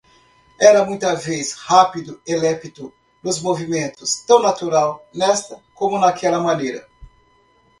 era muita vez rápido e lépido nos movimentos, tão natural nesta como naquela maneira.